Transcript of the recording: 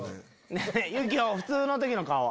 ユキホ普通の時の顔は？